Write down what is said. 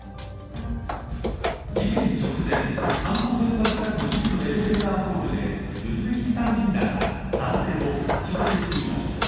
事件直前、犯行現場近くのビルのエレベーターホールでウズベキスタン人らが男性を待ち伏せしていました。